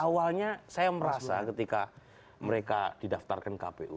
awalnya saya merasa ketika mereka didaftarkan kpu